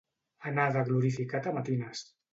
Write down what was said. Anar de glorificat a matines.